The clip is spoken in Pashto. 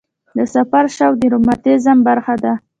د سفر شوق د رومانتیزم برخه ده.